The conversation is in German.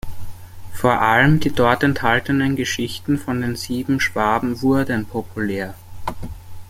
Vor allem die dort enthaltenen Geschichten von den Sieben Schwaben wurden populär.